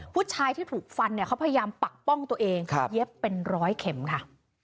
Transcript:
ผู้ชายที่ถูกฟันเนี่ยเขาพยายามปักป้องตัวเองเย็บเป็นร้อยเข็มค่ะ